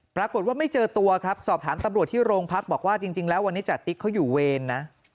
ปรากฏว่าไม่เจอตัวครับสอบถามตำรวจที่โรงพักบอกว่าจริงแล้ววันนี้จติ๊กเขาอยู่เวรนะ